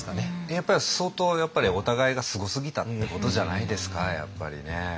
やっぱり相当お互いがすごすぎたってことじゃないですかやっぱりね。